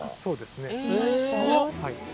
すごっ！